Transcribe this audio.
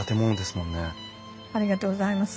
ありがとうございます。